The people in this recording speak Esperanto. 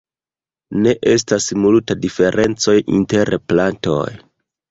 Ne estas multa diferencoj inter plantoj.